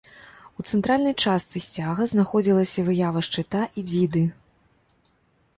У цэнтральнай частцы сцяга знаходзілася выява шчыта і дзіды.